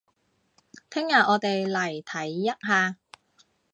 聽日我哋嚟睇一下